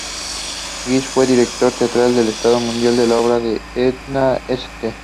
Gist fue director teatral del estreno mundial de la obra de Edna St.